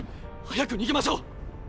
早く逃げましょう！